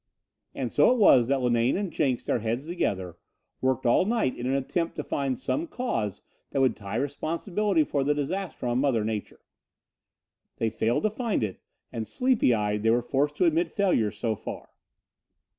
And so it was that Linane and Jenks, their heads together, worked all night in an attempt to find some cause that would tie responsibility for the disaster on mother nature. They failed to find it and, sleepy eyed, they were forced to admit failure, so far.